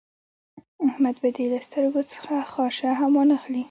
احمد به دې له سترګو څخه خاشه هم وانخلي.